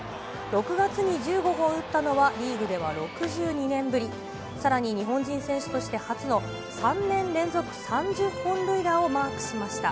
６月に１５号を打ったのは、リーグでは６２年ぶり、さらに日本人選手として初の３年連続３０本塁打をマークしました。